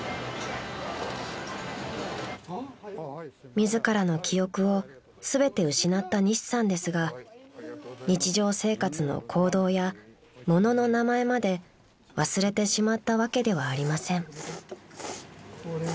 ［自らの記憶を全て失った西さんですが日常生活の行動や物の名前まで忘れてしまったわけではありません］